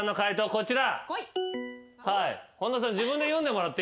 こちら。